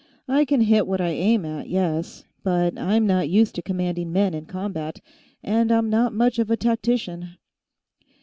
"I can hit what I aim at, yes. But I'm not used to commanding men in combat, and I'm not much of a tactician."